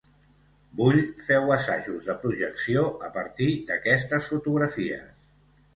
Bull féu assajos de projecció a partir d'aquestes fotografies.